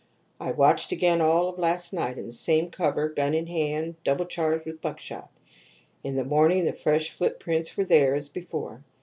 I watched again all of last night in the same cover, gun in hand, double charged with buckshot. In the morning the fresh footprints were there, as before.